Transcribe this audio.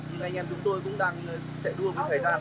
nhưng anh em chúng tôi cũng đang chạy đua với thời gian